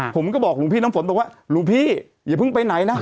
ผมก็บอกหลวงพี่น้ำฝนบอกว่าหลวงพี่อย่าเพิ่งไปไหนนะ